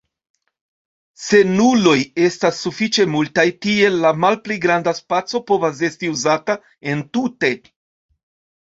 Se nuloj estas sufiĉe multaj, tiel la malpli granda spaco povas esti uzata entute.